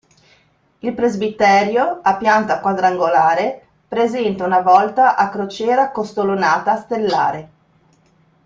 Il presbiterio, a pianta quadrangolare, presenta una volta a crociera costolonata stellare.